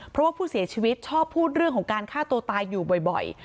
เพราะว่าผู้เสียชีวิตชอบพูดเรื่องของการฆ่าตัวตายอยู่บ่อย